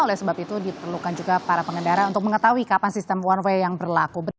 oleh sebab itu diperlukan juga para pengendara untuk mengetahui kapan sistem one way yang berlaku